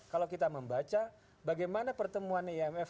kalau kita membaca bagaimana pertemuan imf